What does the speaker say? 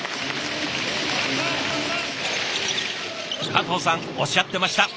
加藤さんおっしゃってました。